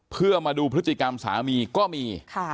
เพื่อมาดูพฤติกรรมสามีก็มี